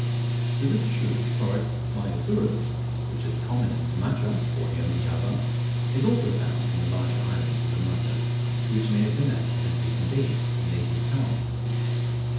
The little shrew, Sorex myosurus, which is common in Sumatra, Borneo, and Java, is also found in the larger islands of the Moluccas, to which it may have been accidentally conveyed in native praus.